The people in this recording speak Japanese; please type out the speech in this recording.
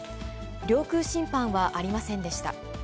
領空侵犯はありませんでした。